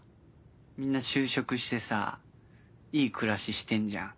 みんな就職してさいい暮らししてんじゃん。